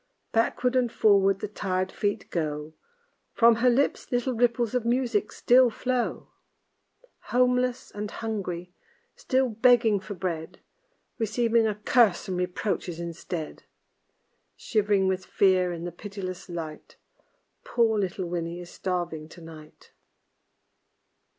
Backward and forward the tired feet go, From her lips little ripples of music still flow. Homeless and hungry, still begging for bread, Receiving a curse and reproaches instead; Shiv'ring with fear in the pitiless light, Poor little Winnie is starving to night.